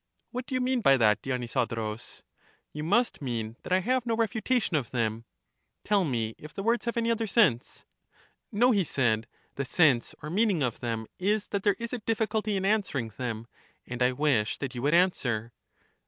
What do you mean by that, Dionysodorus? You must mean that I have no refutation of them. Tell me if the words have any other sense. No, he said; the sense or meaning of them is that there is a difficulty in answering them; and I wish that you would answer.